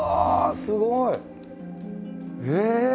すごい！ええ！